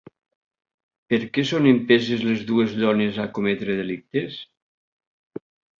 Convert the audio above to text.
Per què són empeses les dues dones a cometre delictes?